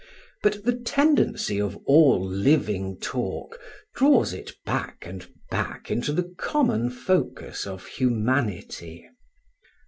But the tendency of all living talk draws it back and back into the common focus of humanity.